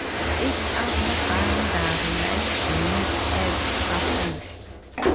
Its outer boundary lies beneath Earth's surface.